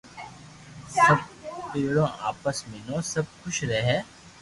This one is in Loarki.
سب ڀينو آپس ميو سب خوݾ رھي ھي